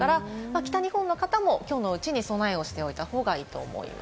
北日本の方もきょうのうちに備えをしておいた方がいいと思います。